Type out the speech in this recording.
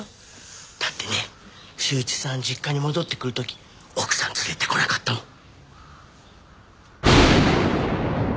だってね柊一さん実家に戻ってくる時奥さん連れてこなかったもん。